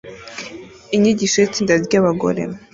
Inyigisho y'itsinda ry'abagore